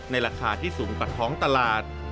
ราคาที่สูงกว่าท้องตลาด